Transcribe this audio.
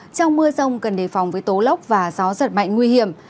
trong mưa rông cần đề phòng với tố lốc và gió giật mạnh nguy hiểm